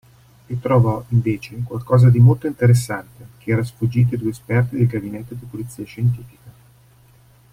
E trovò, invece, qualcosa di molto interessante, che era sfuggito ai due esperti del Gabinetto di Polizia Scientifica.